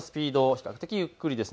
比較的ゆっくりです。